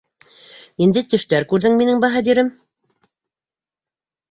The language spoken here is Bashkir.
- Ниндәй төштәр күрҙең, минең баһадирым?